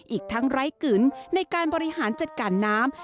อีกทั้งไร้กึ๋นในการบริหารจัดการน้ำ